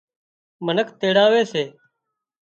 منک تيڙاوي سي